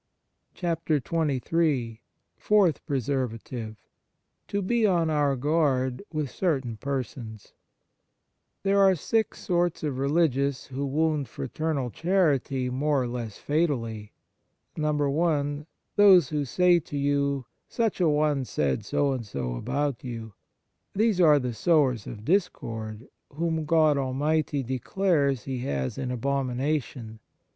54 XXIII FOURTH PRESERVATIVE To be on our guard with certain persons THERE are six sorts of religious who wound fraternal charity more or less fatally, (i) Those who say to you, " Such a one said so and so about you." These are the sowers of discord, whom God Almighty declares He has in abomination.